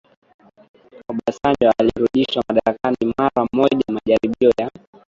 Obasanjo aliyerudishwa madarakani mara mojaMajaribio ya